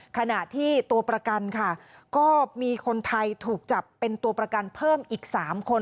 ขณะที่ตัวประกันค่ะก็มีคนไทยถูกจับเป็นตัวประกันเพิ่มอีก๓คน